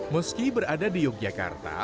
meski berada di yogyakarta